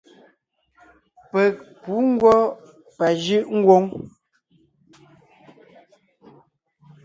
Peg pǔ ngwɔ́ pajʉʼ ngwóŋ.